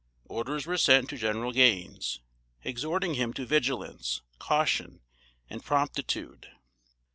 Orders were sent to General Gaines, exhorting him to vigilance, caution and promptitude.